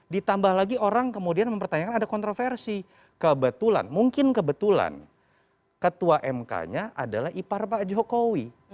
ditambah lagi orang kemudian mempertanyakan ada kontroversi kebetulan mungkin kebetulan ketua mk nya adalah ipar pak jokowi